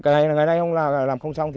ngày nay làm không xong